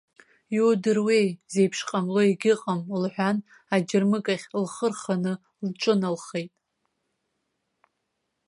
Иудыруеи, зеиԥш ҟамло егьыҟам лҳәан, аџьармыкьахь лхы рханы лҿыналхеит.